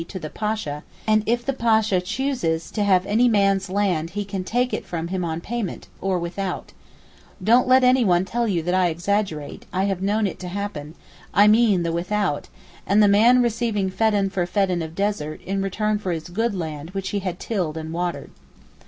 e._ to the Pasha, and if the Pasha chooses to have any man's land he can take it from him on payment—or without. Don't let any one tell you that I exaggerate; I have known it happen: I mean the without, and the man received feddan for feddan of desert, in return for his good land which he had tilled and watered.